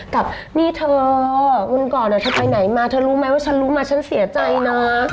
กับนี่เธอวันก่อนเธอไปไหนมาเธอรู้ไหมว่าฉันรู้มาฉันเสียใจนะ